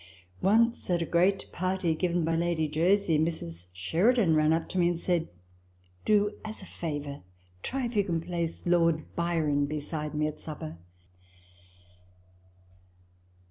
" Once, at a great party given by Lady Jersey, Mrs. Sheridan ran up to me and said, " Do, as a favour, try if you can place Lord Byron beside me at supper."